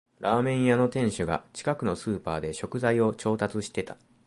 ラーメン屋の店主が近くのスーパーで食材を調達してた